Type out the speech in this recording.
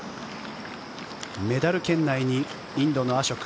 メダル圏内にインドのアショク。